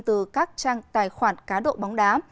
từ các trang tài khoản cá độ bóng đá